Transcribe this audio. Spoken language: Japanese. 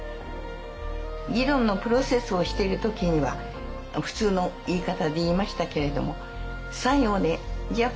議論のプロセスをしている時には普通の言い方で言いましたけれども最後にじゃあ